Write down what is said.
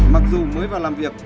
mặc dù mới vào làm việc